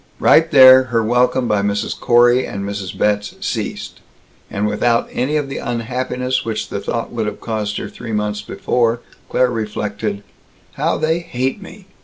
Right there, her welcome by Mrs. Corey and Mrs. Betz ceased; and without any of the unhappiness which the thought would have caused her three months before, Claire reflected, "How they hate me!"